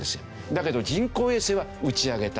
だけど人工衛星は打ち上げたい。